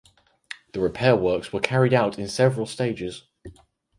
The repair works were carried out in several stages.